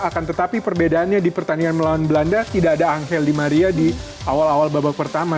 akan tetapi perbedaannya di pertandingan melawan belanda tidak ada angel di maria di awal awal babak pertama